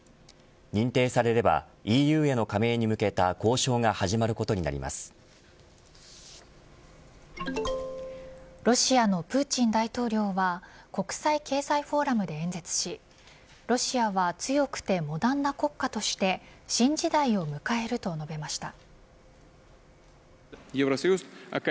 認定されればＥＵへの加盟に向けた交渉がロシアのプーチン大統領は国際経済フォーラムで演説しロシアは強くてモダンな国家として新時代を迎えると述べました。